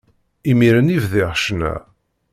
Imiren i bdiɣ ccna.